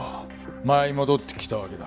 舞い戻ってきたわけだ。